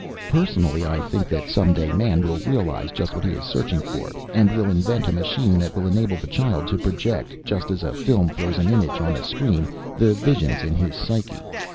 "Personally, I think that some day man will realize just what he is searching for and will invent a machine that will enable the child to project, just as a film throws an image on a screen, the visions in his psyche.